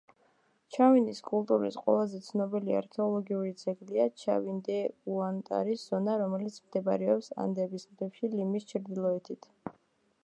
ჩავინის კულტურის ყველაზე ცნობილი არქეოლოგიური ძეგლია ჩავინ-დე–უანტარის ზონა, რომელიც მდებარეობს ანდების მთებში ლიმის ჩრდილოეთით.